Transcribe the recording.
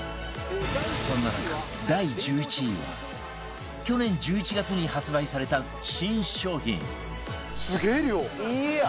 そんな中第１１位は去年１１月に発売された新商品